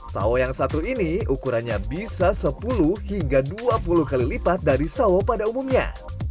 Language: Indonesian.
sawo yang satu ini ukurannya bisa sepuluh hingga dua puluh kali lipat dari sawo pada umumnya